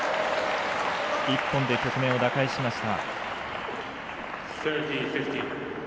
１本で局面を打開しました。